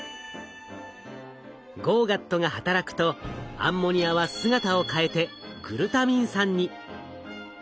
ＧＯＧＡＴが働くとアンモニアは姿を変えてグルタミン酸に。